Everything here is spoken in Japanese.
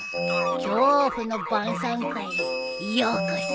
恐怖の晩さん会へようこそ。